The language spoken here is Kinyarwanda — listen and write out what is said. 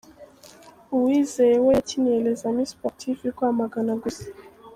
Uwizeye we yakiniye Les Amis Sportifs y’i Rwamagana gusa.